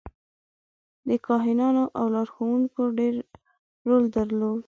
د کاهنانو او لارښوونکو ډېر رول درلود.